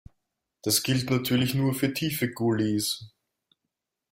Das gilt natürlich nur für tiefe Gullys.